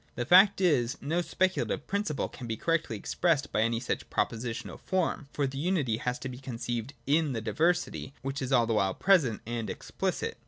The fact is, no speculative prin ciple can be correctly expressed by any such proposi tional form, for the unity has to be conceived in the diversity, which is all the while present and explicit.